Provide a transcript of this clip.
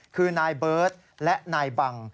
คือนายเบิร์ตและนายบัง